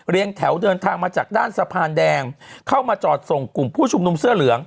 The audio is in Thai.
แถวเดินทางมาจากด้านสะพานแดงเข้ามาจอดส่งกลุ่มผู้ชุมนุมเสื้อเหลือง